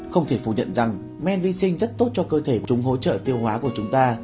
không thể phủ nhận rằng men vi sinh rất tốt cho cơ thể chúng hỗ trợ tiêu hóa của chúng ta